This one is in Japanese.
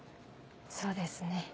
そうですね。